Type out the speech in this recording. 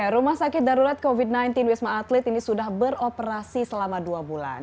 rumah sakit darurat covid sembilan belas wisma atlet ini sudah beroperasi selama dua bulan